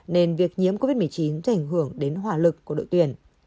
nên việc nhiễm covid một mươi chín sẽ ảnh hưởng đến hỏa lực của đội tuyển